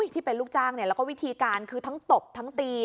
ที่เป็นลูกจ้างแล้วก็วิธีการคือทั้งตบทั้งตี